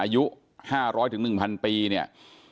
อยู่๕๐๐ถึง๑๐๐๐ปีเนี่ย